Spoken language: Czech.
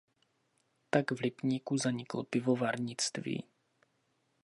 Tak v Lipníku zaniklo pivovarnictví.